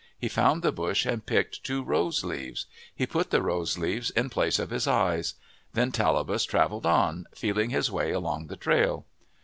He found the bush and picked two rose leaves. He put the rose leaves in place of his eyes. Then Tallapus travelled on, feeling his way along the trail.